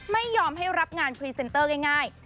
ไม่ยอมให้รับงานพรีเซนเตอร์ง่าย